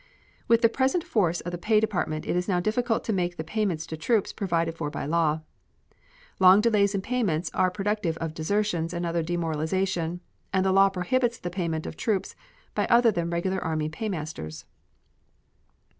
With the present force of the Pay Department it is now difficult to make the payments to troops provided for by law. Long delays in payments are productive of desertions and other demoralization, and the law prohibits the payment of troops by other than regular army paymasters.